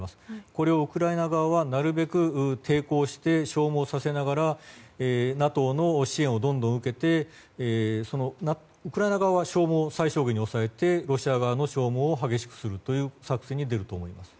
これをウクライナ側はなるべく抵抗して消耗させながらＮＡＴＯの支援をどんどん受けてウクライナ側は消耗を最小限に抑えてロシア側の消耗を激しくするという作戦に出ると思います。